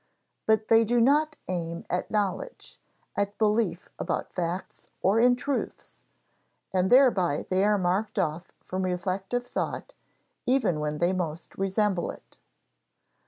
But they do not aim at knowledge, at belief about facts or in truths; and thereby they are marked off from reflective thought even when they most resemble it.